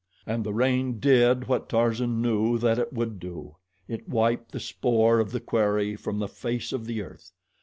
And the rain did what Tarzan knew that it would do it wiped the spoor of the quarry from the face of the earth.